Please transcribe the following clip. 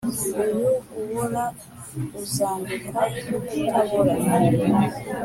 Uyu ubora uzambikwa kutabora